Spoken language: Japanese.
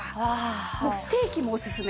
もうステーキもおすすめ。